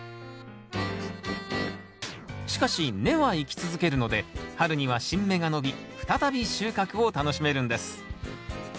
しかし根は生き続けるので春には新芽が伸び再び収穫を楽しめるんです。